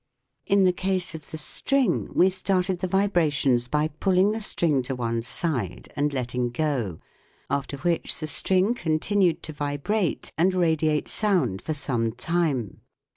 In the case of the string we started the vibrations by pulling the string to one side and letting go, after which the string continued to vibrate and radiate sound for some time.